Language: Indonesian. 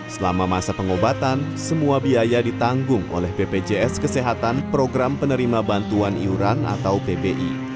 selama masa pengobatan semua biaya ditanggung oleh bpjs kesehatan program penerima bantuan iuran atau pbi